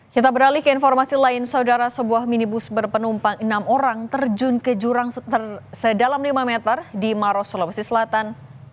kita beralih ke informasi lain saudara sebuah minibus berpenumpang enam orang terjun ke jurang sedalam lima meter di maros sulawesi selatan